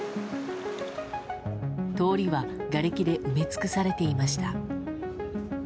通りは、がれきで埋め尽くされていました。